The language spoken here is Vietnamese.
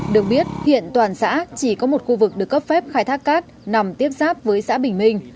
được biết hiện toàn xã chỉ có một khu vực được cấp phép khai thác cát nằm tiếp giáp với xã bình minh